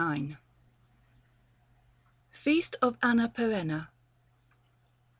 MART. FEAST OF ANNA PEEENNA.